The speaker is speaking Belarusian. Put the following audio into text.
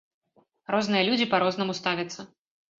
Розныя людзі па-рознаму ставяцца.